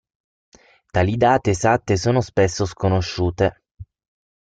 Tali date esatte sono spesso sconosciute.